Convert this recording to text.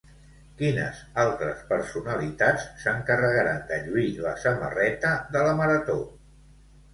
Quines altres personalitats s'encarregaran de lluir la samarreta de La Marató?